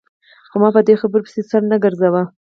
خو ما په دې خبرو پسې سر نه ګرځاوه.